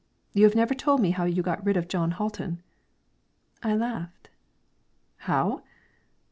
You have never told me how you got rid of Jon Hatlen." "I laughed." "How?"